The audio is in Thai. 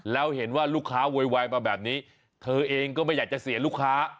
แล้วเห็นว่าลูกค้าโวยวายมาแบบนี้เธอเองก็ไม่อยากจะเสียลูกค้า